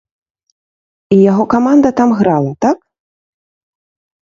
І яго каманда там грала, так?